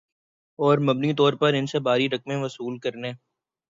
اور مبینہ طور پر ان سے بھاری رقمیں وصول کرنے